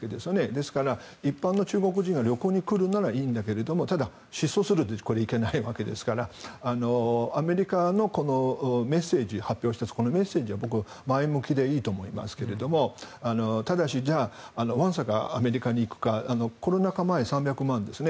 ですから一般の中国人が旅行に来るならいいんだけどもただ、失踪するといけないわけですからアメリカ、メッセージを発表してこのメッセージは前向きでいいと思いますがただしわんさかアメリカに行くかコロナ禍前、３００万人ですね。